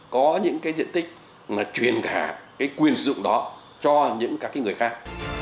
có những cái diện tích mà truyền cả cái quyền sử dụng đó cho những các người khác